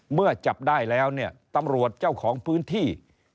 เมื่อจับได้แล้วเนี่ยตำรวจเจ้าของพื้นที่